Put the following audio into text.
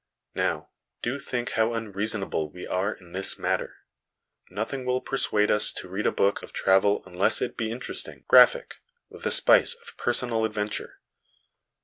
Now, do think how unreasonable we are in this matter ; nothing will persuade us to read a book of travel unless it be interesting, graphic, with a spice of per sonal adventure.